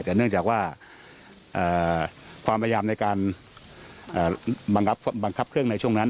แต่เนื่องจากว่าความพยายามในการบังคับเครื่องในช่วงนั้น